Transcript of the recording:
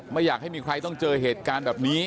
ไม่อยากให้มีใครต้องเจอเหตุการณ์แบบนี้